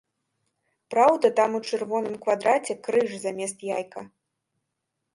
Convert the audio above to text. Праўда, там у чырвоным квадраце крыж замест яйка.